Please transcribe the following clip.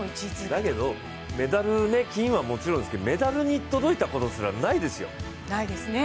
だけどメダル、金はもちろんですけど、メダルに届いたこともないですよ。